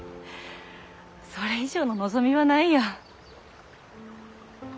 それ以上の望みはないや。